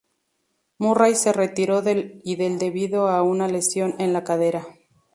Murray se retiró del y del debido a una lesión en la cadera.